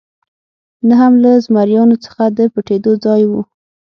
نه هم له زمریانو څخه د پټېدو ځای و.